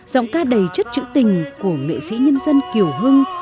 giọng ca đầy chất chữ tình của nghệ sĩ nhân dân kiều hưng